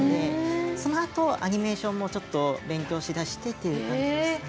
そのあとアニメーションもちょっと、勉強し始めてという感じです。